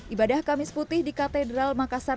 ibadah kamis putih di katedral makassar